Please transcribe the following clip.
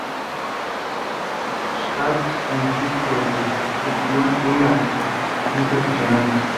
Schatz es físico de profesión y alpinista aficionado.